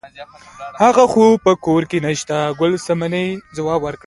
هغه خو په کور کې نشته ګل صمنې ځواب ورکړ.